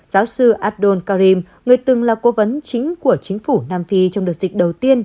giáo sư abdul karim người từng là cố vấn chính của chính phủ nam phi trong đợt dịch đầu tiên